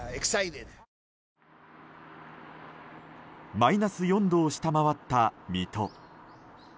マイナス４度を下回った水戸。